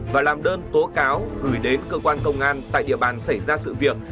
và làm đơn tố cáo gửi đến cơ quan công an tại địa bàn xảy ra sự việc